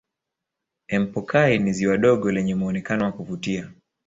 empokai ni ziwa dogo yenye muonekano wa kuvutia